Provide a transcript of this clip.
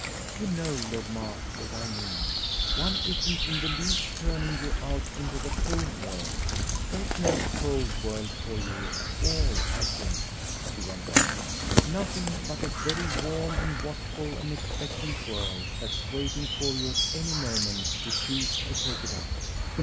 "You know, Lord Mark, what I mean. One isn't in the least turning you out into the cold world. There's no cold world for you at all, I think," she went on; "nothing but a very warm and watchful and expectant world that's waiting for you at any moment you choose to take it up."